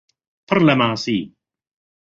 پڕ لە ماسی